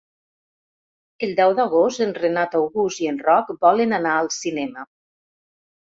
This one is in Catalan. El deu d'agost en Renat August i en Roc volen anar al cinema.